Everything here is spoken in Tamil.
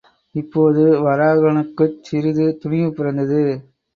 இப்போது வராகனுக்குச் சிறிது துணிவு பிறந்தது.